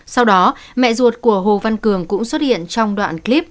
sau đó mẹ ruột của hồ văn cường cũng xuất hiện trong đoạn clip